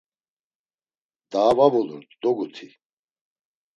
Daa va vulurt doguti.